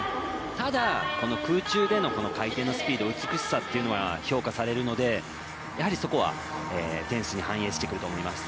ただこの空中での回転スピード美しさというのは評価されるので、やはりそこは点数に反映してくると思います。